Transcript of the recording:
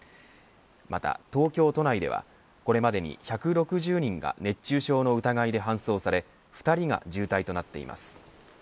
また東京都内ではこれまでに１６０人が熱中症の疑いで搬送され２人が重体となっています。